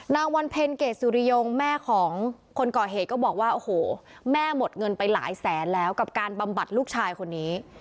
วันเพ็ญเกรดสุริยงแม่ของคนก่อเหตุก็บอกว่าโอ้โหแม่หมดเงินไปหลายแสนแล้วกับการบำบัดลูกชายคนนี้